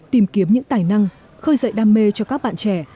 tìm kiếm những tài năng khơi dậy đam mê cho các bạn trẻ